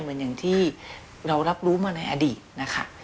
เหมือนอย่างที่เรารับรู้มาในอดีตนะคะ